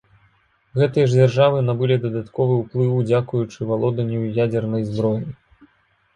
Гэтыя ж дзяржавы набылі дадатковы ўплыў дзякуючы валоданню ядзернай зброяй.